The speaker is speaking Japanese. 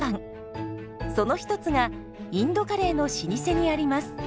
その一つがインドカレーの老舗にあります。